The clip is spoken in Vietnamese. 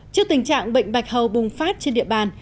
trước tình trạng bệnh bạch hầu bùng phát trên địa bàn